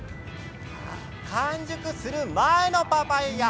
完熟する前のパパイヤ